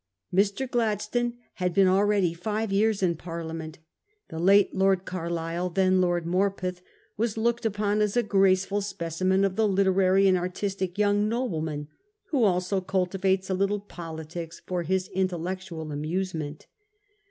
Mr. Gladstone had been already five years in Parliament. The late Lord Carlisle, then Lord Morpeth, was looked upon as a graceful specimen of the literary and artistic young nobleman, who also cultivates a little politics for his intellectual amusement.